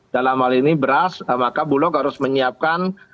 dalam hal ini beras maka bulog harus menyiapkan